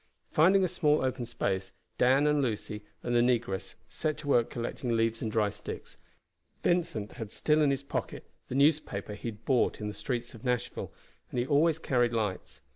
Finding a small open space, Dan, and Lucy, and the negress set to work collecting leaves and dry sticks. Vincent had still in his pocket the newspaper he had bought in the streets of Nashville, and he always carried lights.